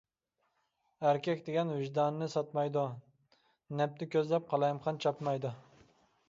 ئەركەك دېگەن ۋىجدانىنى ساتمايدۇ، نەپنى كۆزلەپ قالايمىقان چاپمايدۇ.